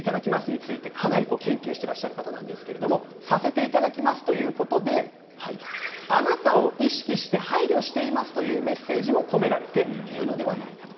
かなり研究している方なんですが「させていただきます」と言うことであなたを意識して配慮していますというメッセージも込められているのではないかと。